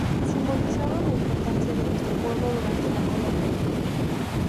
Simbolizado la importancia de nuestro pueblo durante la colonia.